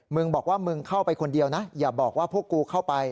มึงบอกว่ามึงเข้าไปคนเดียวนะอย่าบอกว่าพวกกูเข้าไป